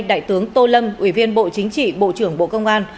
đại tướng tô lâm ủy viên bộ chính trị bộ trưởng bộ công an